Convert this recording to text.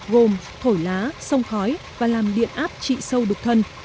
gồm thổi lá sông khói và làm điện áp trị sâu đục thân